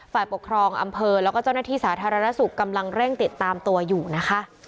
ฝ่ายปกครองอำเภอแล้วก็เจ้าหน้าที่สาธารณสุขกำลังเร่งติดตามตัวอยู่นะคะ